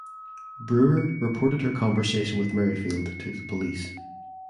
Brewer reported her conversation with Merrifield to the police.